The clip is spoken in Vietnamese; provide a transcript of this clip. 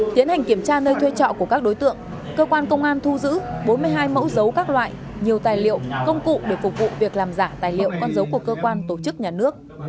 tiến hành kiểm tra nơi thuê trọ của các đối tượng cơ quan công an thu giữ bốn mươi hai mẫu dấu các loại nhiều tài liệu công cụ để phục vụ việc làm giả tài liệu con dấu của cơ quan tổ chức nhà nước